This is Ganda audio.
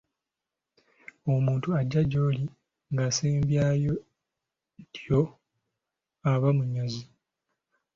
Omuntu ajja gy’oli ng’asembyayo ddyo aba munyazi.